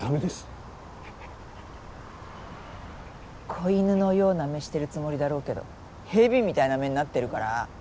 子犬のような目してるつもりだろうけど蛇みたいな目になってるから。